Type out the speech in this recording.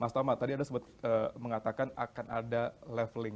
mas tamar tadi ada sebut mengatakan akan ada leveling